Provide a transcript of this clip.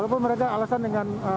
walaupun mereka alasan dengan